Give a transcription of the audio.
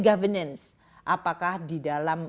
governance apakah di dalam